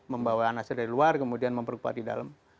membawa anasir dari luar kemudian memperkuat di dalam